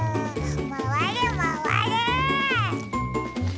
まわれまわれ！